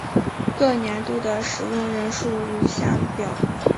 各年度的使用人数如下表。